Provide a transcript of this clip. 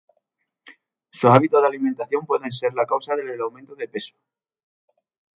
Sus hábitos de alimentación pueden ser la causa del aumento de peso